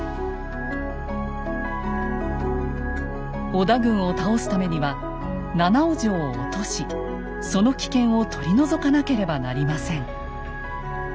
織田軍を倒すためには七尾城を落としその危険を取り除かなければなりません。